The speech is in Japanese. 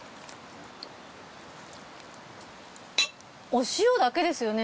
お塩だけですよね？